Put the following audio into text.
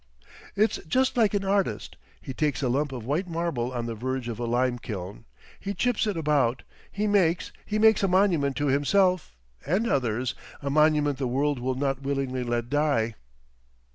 "It's just like an artist; he takes a lump of white marble on the verge of a lime kiln, he chips it about, he makes—he makes a monument to himself—and others—a monument the world will not willingly let die.